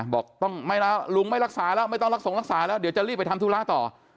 บอกต้องไม่แล้วลุงไม่รักษาแล้วไม่ต้องรับส่งรักษาแล้วเดี๋ยวจะรีบไปทำธุระต่อ